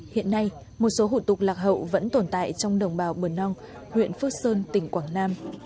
hiện nay một số hủ tục lạc hậu vẫn tồn tại trong đồng bào bờ nong huyện phước sơn tỉnh quảng nam